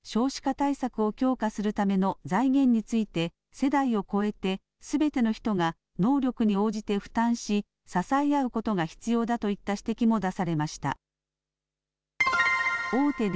また、少子化対策を強化するための財源について、世代を超えて、すべての人が能力に応じて負担し、支え合うことが必要だといった指摘も出されました。